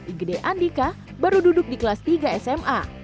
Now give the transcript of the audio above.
igede andika baru duduk di kelas tiga sma